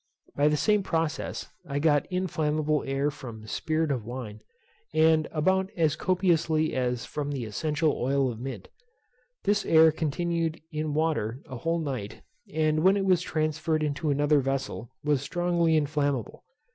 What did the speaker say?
By the same process I got inflammable air from spirit of wine, and about as copiously as from the essential oil of mint. This air continued in water a whole night, and when it was transferred into another vessel was strongly inflammable.